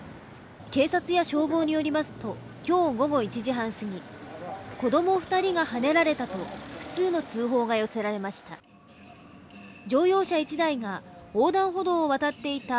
警察や消防によりますと、今日午後１時半過ぎ、子供２人がはねられたと複数の通報が寄せられました。